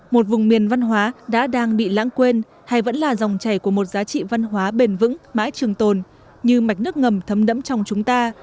một vùng miền văn hóa đã đang bị lãng quên hay vẫn là dòng chảy của một giá trị văn hóa bền vững mãi trường tồn như mạch nước ngầm thấm đẫm trong chúng ta